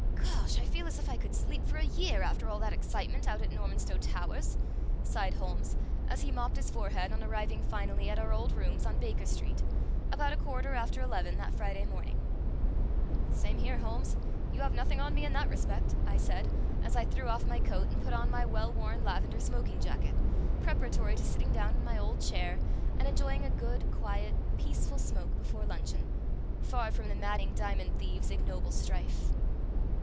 "Gosh! I feel as if I could sleep for a year, after all that excitement out at Normanstow Towers!" sighed Holmes, as he mopped his forehead on arriving finally at our old rooms on Baker Street, about a quarter after eleven that Friday morning. "Same here, Holmes. You have nothing on me in that respect," I said, as I threw off my coat and put on my well worn lavender smoking jacket, preparatory to sitting down in my old chair and enjoying a good, quiet, peaceful smoke before luncheon, far from the madding diamond thieves' ignoble strife.